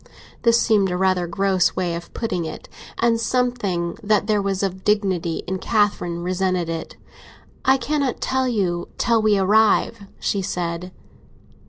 This seemed a rather gross way of putting it, and something that there was of dignity in Catherine resented it. "I cannot tell you till we arrive," she said.